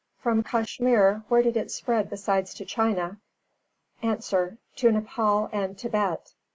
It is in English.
From Kashmir, where else did it spread besides to China? A. To Nepāl and Tibet.